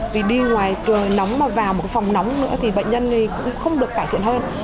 vì đi ngoài trời nóng mà vào một phòng nóng nữa thì bệnh nhân cũng không được cải thiện hơn